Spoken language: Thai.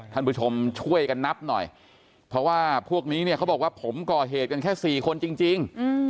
ท่านผู้ชมช่วยกันนับหน่อยเพราะว่าพวกนี้เนี่ยเขาบอกว่าผมก่อเหตุกันแค่๔คนจริง